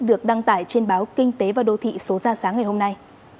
được đăng tải trên báo kinh tế và đô thị số ra sáng ngày hôm nay